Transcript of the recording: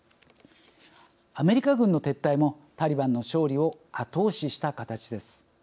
アメリカ軍の撤退もタリバンの勝利を後押した形です。